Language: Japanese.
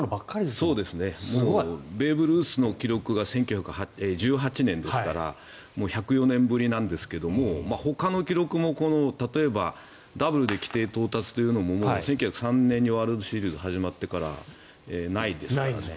もうベーブ・ルースの記録が１９１８年ですから１０４年ぶりなんですけどほかの記録も例えばダブルで規定到達というのも１９０３年にワールドシリーズが始まってからないですからね。